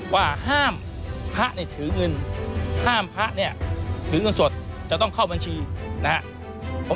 ว่าห้ามพระเนี่ยถือเงินห้ามพระเนี่ยถือเงินสดจะต้องเข้าบัญชีนะครับ